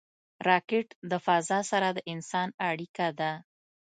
راکټ د فضا سره د انسان اړیکه ده